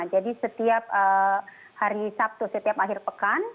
jadi setiap hari sabtu setiap akhir pekan